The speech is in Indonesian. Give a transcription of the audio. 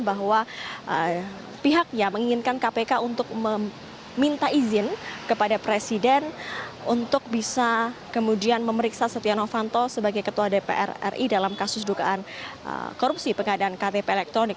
bahwa pihaknya menginginkan kpk untuk meminta izin kepada presiden untuk bisa kemudian memeriksa setia novanto sebagai ketua dpr ri dalam kasus dugaan korupsi pengadaan ktp elektronik